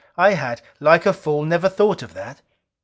I had, like a fool, never thought of that!